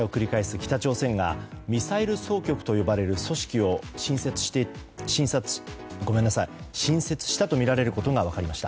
北朝鮮がミサイル総局と呼ばれる組織を新設したとみられることが分かりました。